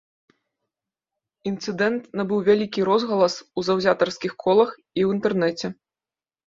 Інцыдэнт набыў вялікі розгалас у заўзятарскіх колах і ў інтэрнэце.